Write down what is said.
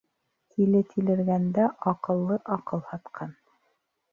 Тиле тилергәндә, аҡыллы аҡыл һатҡан.